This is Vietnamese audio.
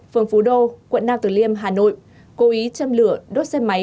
phường phú đô quận nam tử liêm hà nội cố ý châm lửa đốt xe máy